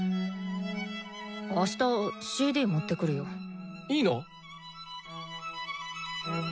あしたＣＤ持ってくるよ。いいの？